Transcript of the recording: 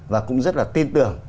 và cũng rất là tin tưởng